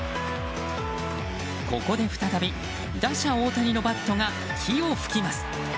ここで再び、打者・大谷のバットが火を噴きます。